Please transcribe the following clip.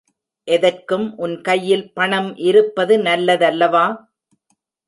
எதற்கும் உன் கையில் பணம் இருப்பது நல்ல தல்லவா?